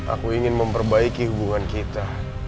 aku ingin memperbaiki hubungan kita